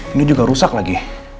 ini juga rusak lagi